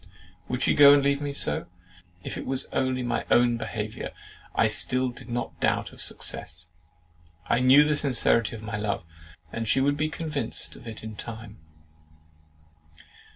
"Would she go and leave me so? If it was only my own behaviour, I still did not doubt of success. I knew the sincerity of my love, and she would be convinced of it in time.